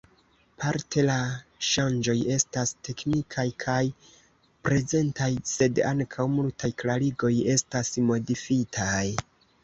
Parte la ŝanĝoj estas teknikaj kaj prezentaj, sed ankaŭ multaj klarigoj estas modifitaj.